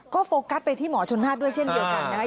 ก็โฟกัสไปที่หมอชนน่านด้วยเช่นเดียวกันนะคะ